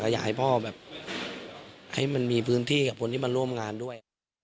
อยากให้พ่อแบบให้มันมีพื้นที่กับคนที่มาร่วมงานด้วย